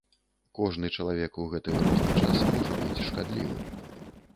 Кожны чалавек у гэты грозны час можа быць шкадлівы.